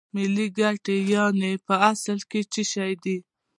ملي ګټې یانې په اصل کې څه شی دي